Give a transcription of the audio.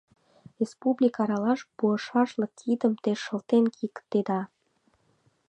Республик аралаш пуышашлык киндым те шылтен кийыктеда!..